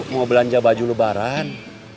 mau belanja baju lebaran